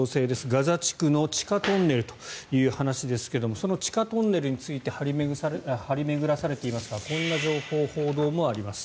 ガザ地区の地下トンネルという話ですがその地下トンネルについて張り巡らされていますがこんな情報、報道もあります。